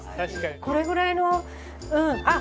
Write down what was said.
これぐらいのあっ！